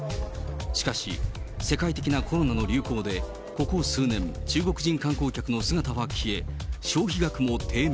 しかし、世界的なコロナの流行でここ数年、中国人観光客の姿は消え、消費額も低迷。